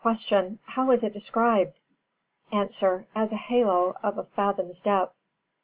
Q. How is it described? A. As a halo of a fathom's depth.